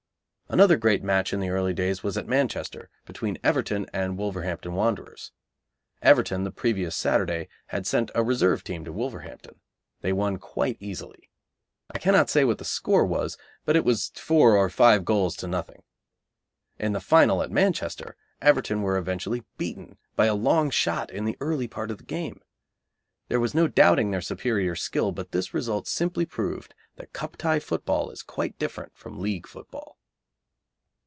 Another great match in the early days was at Manchester, between Everton and Wolverhampton Wanderers. Everton, the previous Saturday, had sent a reserve team to Wolverhampton. They won quite easily. I cannot say what the score was, but it was four or five goals to nothing. In the final at Manchester, Everton were eventually beaten by a long shot in the early part of the game. There was no doubting their superior skill, but this result simply proved that cup tie football is quite different from league football.